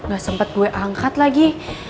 gak sempat gue angkat lagi